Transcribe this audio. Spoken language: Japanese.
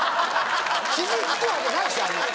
傷つくわけないでしょ。